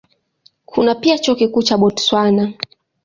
Kuna pia Chuo Kikuu cha Botswana.